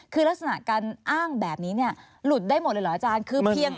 คือลักษณะการอ้างแบบนี้หลุดได้หมดเลยเหรออาจารย์